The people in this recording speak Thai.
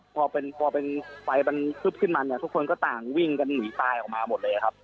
พอเป็นไฟมันพึบขึ้นมาเนี่ยทุกคนก็ต่างวิ่งกันหนีตายออกมาหมดเลยครับ